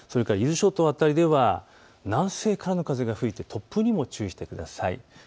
伊豆諸島辺りでは南西からの風が吹いて突風にも注意してください。